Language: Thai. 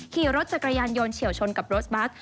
ขี่รถจักรยานยนต์เฉียวชนกับรถบัส